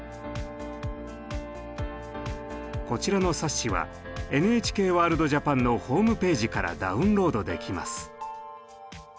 こちらの冊子は「ＮＨＫワールドＪＡＰＡＮ」のホームページからダウンロードできます。